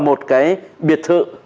một cái biệt thự